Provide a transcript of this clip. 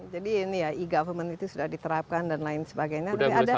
jadi ini ya e government itu sudah diterapkan dan lain sebagainya